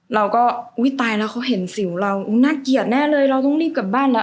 เราก็อุ้ยตายแล้วเขาเห็นสิวเราน่าเกลียดแน่เลยเราต้องรีบกลับบ้านแล้ว